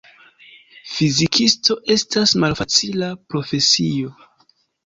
Fizikisto estas malfacila profesio.